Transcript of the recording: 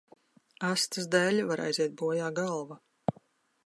Astes dēļ var aiziet bojā galva.